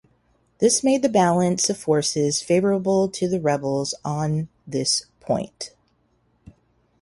This made the balance of forces favourable to the rebels on this point.